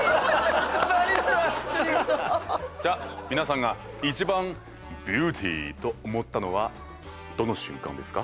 じゃ皆さんが一番ビューティーと思ったのはどの瞬間ですか？